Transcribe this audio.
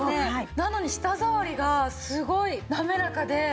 なのに舌触りがすごいなめらかで。